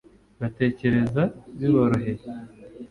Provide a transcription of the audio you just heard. batekereza biboroheye